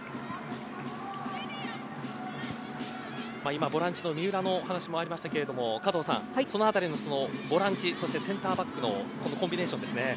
今、ボランチの三浦のお話もありましたが加藤さん、そのあたりのボランチそしてセンターバックのコンビネーションですね。